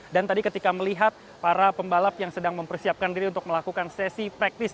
dan tadi ketika melihat para pembalap yang sedang mempersiapkan diri untuk melakukan sesi praktis